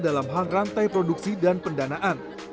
dalam hal rantai produksi dan pendanaan